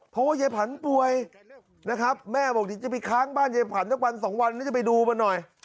เพราะว่ายายผันป่วยนะครับแม่บอกเดี๋ยวจะไปค้างบ้านยายผันสักวันสองวันนี้จะไปดูมันหน่อย